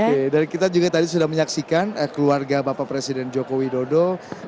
oke dan kita juga tadi sudah menyaksikan keluarga bapak presiden joko widodo